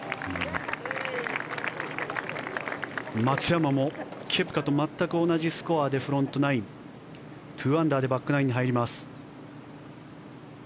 松山もケプカと全く同じスコアでフロントナイン２アンダーでバックナインに入ります。